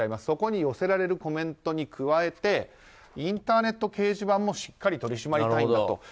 そこに寄せられるコメントに加えてインターネット掲示板もしっかり取り締まりたいんだと。